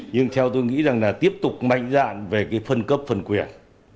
nhưng theo tôi nghĩ rằng là tiếp tục mạnh dạn về cái phân cấp phân quyền